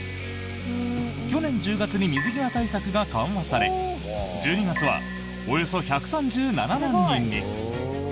去年１０月に水際対策が緩和され１２月は、およそ１３７万人に！